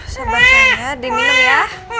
sabar sayang ya diminum ya